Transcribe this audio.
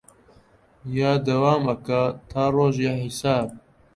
یا دەوام ئەکا تا ڕۆژی حیساب